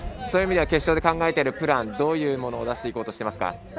そういう意味では決勝で考えているプランどういうものを出していこうと考えていますか？